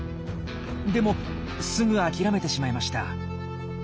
でもすぐ諦めてしまいました。